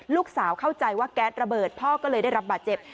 เข้าใจว่าแก๊สระเบิดพ่อก็เลยได้รับบาดเจ็บ